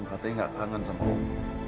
katanya gak kangen sama om